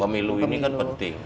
pemilu ini kan penting